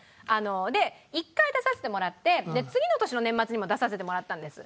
で１回出させてもらって次の年の年末にも出させてもらったんです。